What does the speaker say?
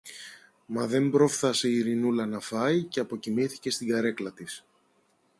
Μα δεν πρόφθασε η Ειρηνούλα να φάει, και αποκοιμήθηκε στην καρέκλα της.